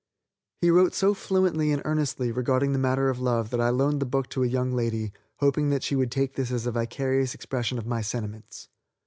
He wrote so fluently and so earnestly regarding the matter of love that I loaned the book to a young lady, hoping that she would take this as a vicarious expression of my sentiments.